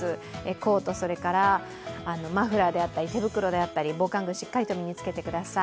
コート、マフラーであったり手袋であったり防寒具しっかりと身につけてください。